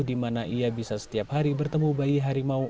di mana ia bisa setiap hari bertemu bayi harimau